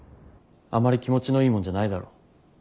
あまり気持ちのいいもんじゃないだろ。